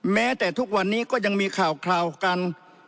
แม้แต่ทุกวันนี้ก็ยังมีข่าวกัน